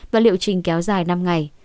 và liệu trình kéo dài năm ngày